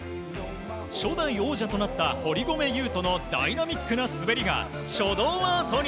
初代王者となった堀米雄斗のダイナミックな滑りが書道アートに。